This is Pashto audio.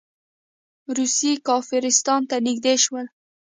روسیې کافرستان ته نږدې شول.